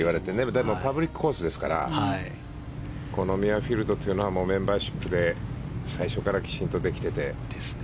でもパブリックコースですからこのミュアフィールドっていうのはメンバーシップで最初からきちっとできていて。